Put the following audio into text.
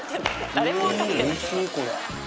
誰もわかってない。